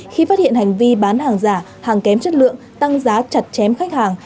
khi phát hiện hành vi bán hàng giả hàng kém chất lượng tăng giá chặt chém khách hàng